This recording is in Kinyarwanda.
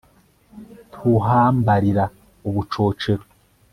ntuhambarira ubucocero